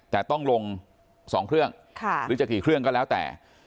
แต่ต้องลง๒เครื่องหรือจะกี่เครื่องก็แล้วแต่